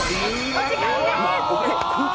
お時間です。